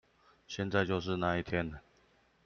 現在就是那一天